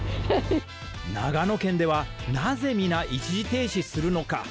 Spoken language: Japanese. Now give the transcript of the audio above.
長野県ではなぜ、皆、一時停止するのか。